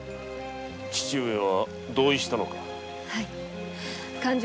父上は同意したのか？